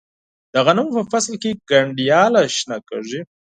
د غنمو په فصل کې گنډیاله شنه کیږي.